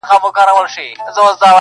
نه هغه ښکلي پخواني خلک په سترګو وینم!